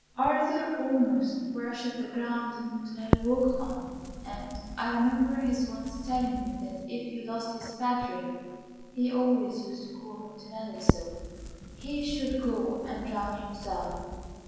Arthur almost worshipped the ground that Montanelli walked on, and I remember his once telling me that if he lost his 'Padre' he always used to call Montanelli so he should go and drown himself.